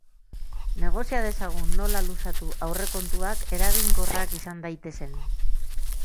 Negozia dezagun nola luzatu aurrekontuak eraginkorrak izan daitezen.